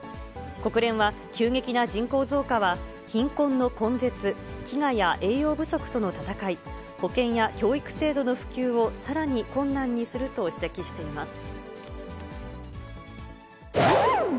国連は、急激な人口増加は、貧困の根絶、飢餓や栄養不足との闘い、保健や教育制度の普及をさらに困難にすると指摘しています。